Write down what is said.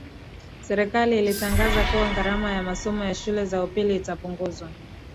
Serikali ilitangaza kuwa gharama ya masomo ya shule za upili itapunguzwa